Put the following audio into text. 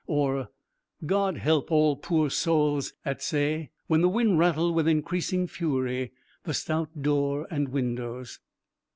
or, 'God help all poor sowls at say!' when the wind rattled with increasing fury the stout door and windows.